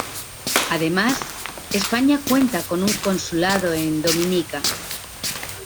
Además, España cuenta con un consulado en Dominica.